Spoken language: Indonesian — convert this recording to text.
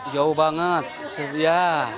jauh banget ya